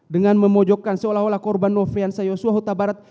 dengan memojokkan seolah olah korban nofrianza yosuahutabarat